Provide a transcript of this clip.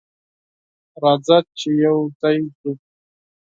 راځه چې یوځای ځو.